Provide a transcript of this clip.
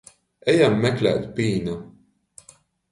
Ejam meklēt pīna.